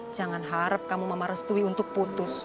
jangan harap kamu mama restui untuk putus